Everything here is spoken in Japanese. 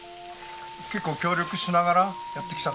結構協力しながらやってきたんです。